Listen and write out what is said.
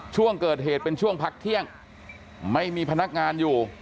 ช่วงเกิดเหตุเป็นช่วงพักเที่ยงไม่มีพนักงานอยู่